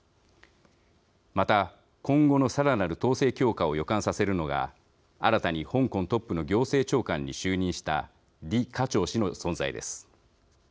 また、今後のさらなる統制強化を予感させるのが新たに香港トップの行政長官に就任した李家超氏の存在です。